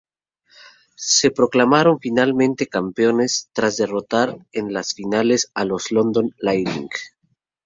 Se proclamaron finalmente campeones tras derrotar en las finales a los London Lightning.